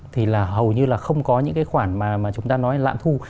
thì là hầu như là không có những cái khoản mà chúng ta nói lạm thu